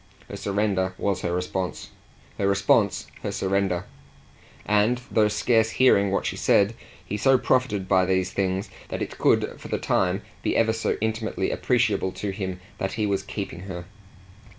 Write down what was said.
Her surrender was her response, her response her surrender; and, though scarce hearing what she said, he so profited by these things that it could for the time be ever so intimately appreciable to him that he was keeping her.